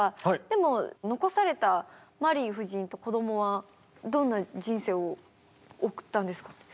でも残されたマリー夫人とこどもはどんな人生を送ったんですか？